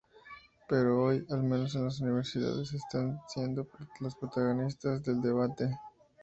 Pero hoy, al menos en las universidades, están siendo las protagonistas del debate.